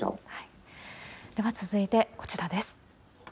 では続いて、こちらです。